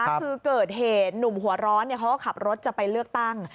คือเกิดเหตุหนุ่มหัวร้อนเขาก็ขับรถจะไปเลือกตั้ง